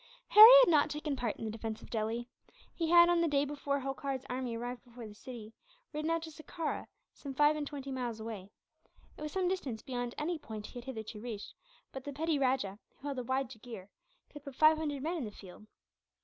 Harry had not taken part in the defence of Delhi. He had, on the day before Holkar's army arrived before the city, ridden out to Sekerah, some five and twenty miles away. It was some distance beyond any point he had hitherto reached; but the petty rajah, who held a wide jagheer, could put five hundred men in the field.